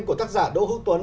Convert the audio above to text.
của tác giả đỗ hữu tuấn